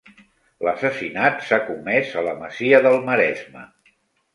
L'assassinat s'ha comés a la masia del Maresme.